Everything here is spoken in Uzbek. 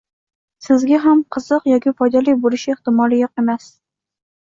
Sizga ham qiziq yoki foydali bo‘lishi ehtimoli yo‘q emas.